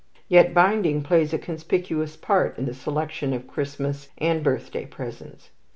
Yet binding plays a conspicuous part in the selection of Christmas and birthday presents.